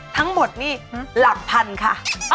ทั้งหมดนี่หลักพันค่ะ